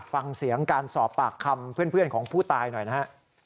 ฟังเสียงการสอบปากคำเพื่อนของผู้ตายหน่อยนะฮะ